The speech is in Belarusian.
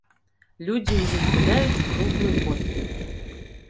Людзі ў ім гуляюць круглы год.